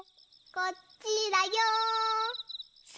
・こっちだよ。・せの。